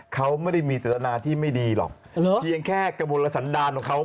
เขาไม่ได้มีเจตนาที่ไม่ดีหรอกเพียงแค่กระบวนสันดารของเขา